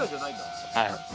はい。